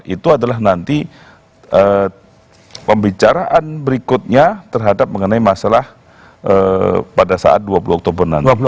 itu adalah nanti pembicaraan berikutnya terhadap mengenai masalah pada saat dua puluh oktober nanti